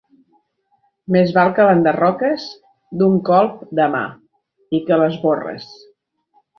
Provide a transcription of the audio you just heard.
Més val que l'enderroques d'un colp de mà, i que l'esborres.